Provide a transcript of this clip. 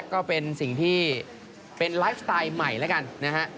ก็เป็นสิ่งที่เป็นไลฟ์สไตล์ใหม่แล้วกันนะฮะ